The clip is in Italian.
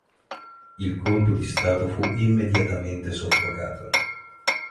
Il colpo di Stato fu immediatamente soffocato.